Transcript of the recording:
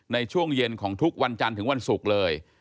ในช่วงเย็นของทุกวันจันทร์ถึงวันศุกร์เลย